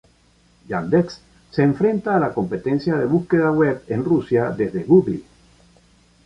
Yandex se enfrenta a la competencia de búsqueda web en Rusia desde Google.